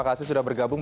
a sampai z